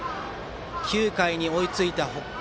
９回に追いついた北海。